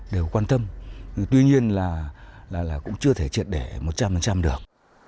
đều quan tâm tuy nhiên là cũng chưa thể triệt để một trăm linh được